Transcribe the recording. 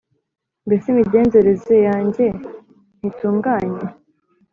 mbese imigenzereze yanjye ntitunganye?